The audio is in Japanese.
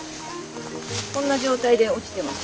こんな状態で落ちてます。